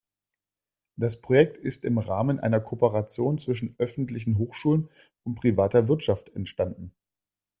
Das Projekt ist im Rahmen einer Kooperation zwischen öffentlichen Hochschulen und privater Wirtschaft entstanden.